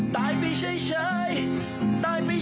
ตายไปเฉยตายไปเฉยอย่าเฉยกับเมยแบบนี้